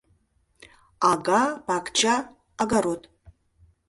Ага, пакча — огород.